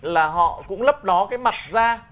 là họ cũng lấp đó cái mặt ra